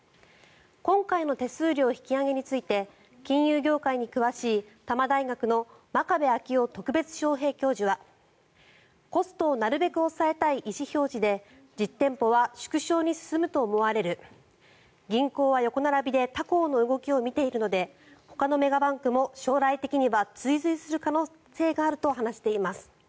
今回の手数料引き上げについて金融業界に詳しい、多摩大学の真壁昭夫特別招聘教授はコストをなるべく抑えたい意思表示で実店舗縮小に進むと思われる銀行は横並びで他行の動きを見ているのでほかのメガバンクも将来的には追随する可能性があると話しています。